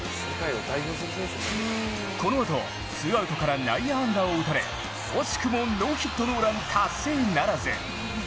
このあとツーアウトから内野安打を打たれ惜しくもノーヒットノーラン達成ならず。